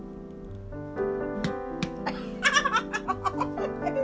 アハハハハ。